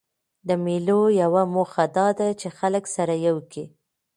د مېلو یوه موخه دا ده، چي خلک سره یو کي.